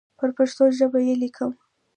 پر پښتو ژبه یې لیکم.